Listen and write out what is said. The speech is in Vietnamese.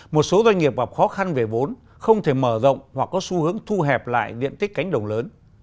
một số doanh nghiệp gặp khó khăn về vốn không thể mở rộng hoặc có xu hướng thu hẹp lại diện tích cánh đồng lớn